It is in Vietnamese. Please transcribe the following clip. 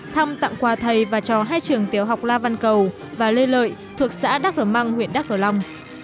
thăm tặng quà thầy và cho hai trường tiểu học la văn cầu và lê lợi thuộc xã đắk hờ măng huyện đắk hờ lâm